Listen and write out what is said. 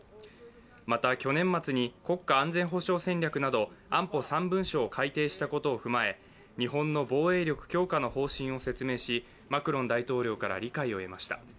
また去年末に国家安全保障戦略など安保３文書を改定したことを踏まえ日本の防衛力強化の方針を説明しマクロン大統領から理解を得ました。